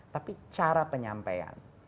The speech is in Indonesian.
tapi cara penyampaian